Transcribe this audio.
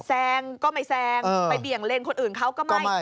แซงก็ไม่แซงไปเบี่ยงเลนคนอื่นเขาก็ไม่